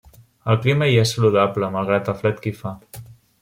El clima hi és saludable, malgrat el fred que hi fa.